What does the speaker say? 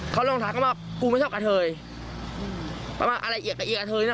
เขาลองถามเขามาว่ากูไม่ชอบกระเทยเขามาว่าอะไรเหยียกกระเทยนี่นะ